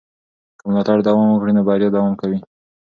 که ملاتړ دوام وکړي نو بریا دوام کوي.